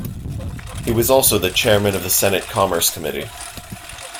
He was also the Chairman of the Senate Commerce Committee.